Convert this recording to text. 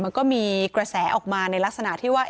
มันก็มีกระแสออกมาในลักษณะที่ว่า